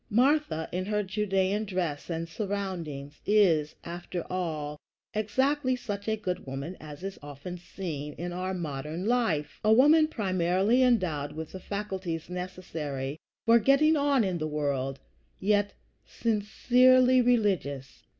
Martha, in her Judæan dress and surroundings, is, after all, exactly such a good woman as is often seen in our modern life, a woman primarily endowed with the faculties necessary for getting on in the world, yet sincerely religious.